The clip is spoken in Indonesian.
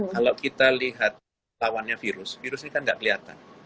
kalau kita lihat lawannya virus virus ini kan tidak kelihatan